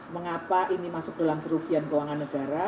mengapa ini masuk dalam kerugian keuangan negara